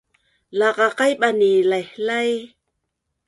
laqaqaiban i laihlai